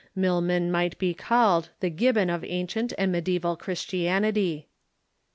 Milman might be called the Gibbon of ancient and medijeval Christianity.